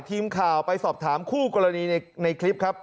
ทีมข่าวไปสอบถามคู่กรณีในคลิปครับ